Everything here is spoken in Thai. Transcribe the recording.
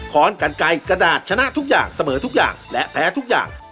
้อนกันไกลกระดาษชนะทุกอย่างเสมอทุกอย่างและแพ้ทุกอย่าง